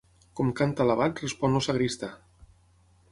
Com canta l'abat respon el sagristà.